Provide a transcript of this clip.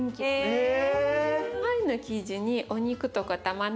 へえ。